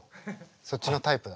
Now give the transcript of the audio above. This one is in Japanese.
そっちのタイプだ。